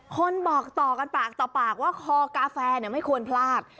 คนบอกต่อกันปากต่อปากว่าคอกาแฟไม่ควรพลาด